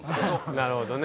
なるほどね。